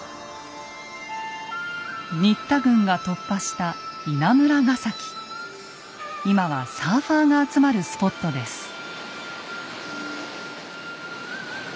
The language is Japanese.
新田軍が突破した今はサーファーが集まるスポットです。